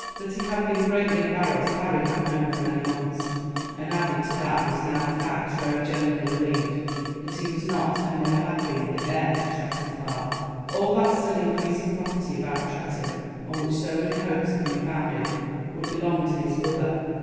That he had been greatly embarrassed Harry had known for many months, and added to that was now the fact, very generally believed, that he was not and never had been the heir to Tretton Park. All that still increasing property about Tretton, on which so many hopes had been founded, would belong to his brother.